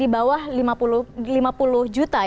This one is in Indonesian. di bawah lima puluh juta